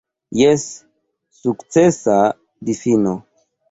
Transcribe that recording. Jes, sukcesa difino.